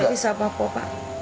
tidak bisa apa apa pak